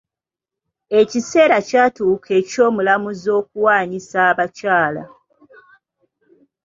Ekiseera kyatuuka eky'omulamuzi okuwanyisa abakyala.